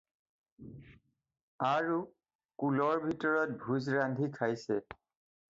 আৰু কুলৰ ভিতৰত ভােজ ৰান্ধি খাইছে